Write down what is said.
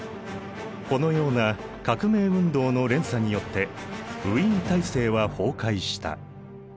このような革命運動の連鎖によってウィーン体制は崩壊した。